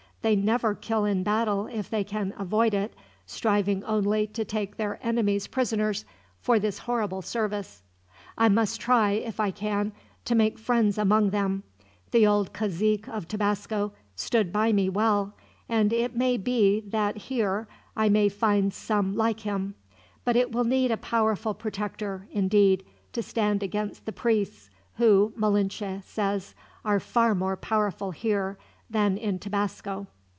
They never kill in battle if they can avoid it, striving only to take their enemies prisoners, for this horrible service. "I must try, if I can, to make friends among them. The old cazique of Tabasco stood by me well, and it may be that here I may find some like him; but it will need a powerful protector, indeed, to stand against the priests, who, Malinche says, are far more powerful here than in Tabasco."